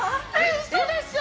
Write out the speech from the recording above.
嘘でしょ！